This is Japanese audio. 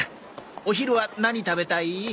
お昼は何食べたい？